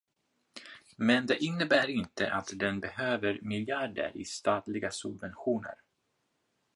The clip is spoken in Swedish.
Men det innebär inte att den behöver miljarder i statliga subventioner.